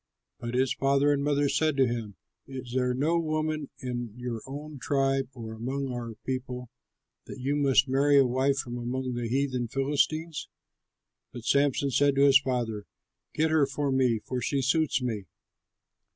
But his father and mother said to him, "Is there no woman in your own tribe or among all our people, that you must marry a wife from among the heathen Philistines?" But Samson said to his father, "Get her for me, for she suits me."